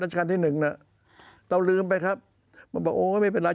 การที่หนึ่งน่ะเราลืมไปครับมันบอกโอ้ไม่เป็นไร